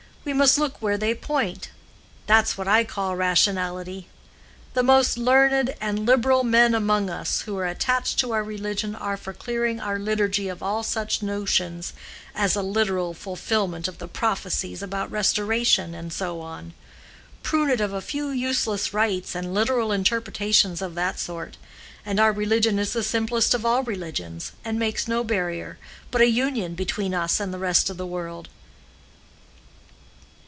We must look where they point; that's what I call rationality. The most learned and liberal men among us who are attached to our religion are for clearing our liturgy of all such notions as a literal fulfillment of the prophecies about restoration, and so on. Prune it of a few useless rites and literal interpretations of that sort, and our religion is the simplest of all religions, and makes no barrier, but a union, between us and the rest of the world."